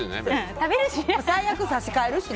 最悪、差し替えるしね。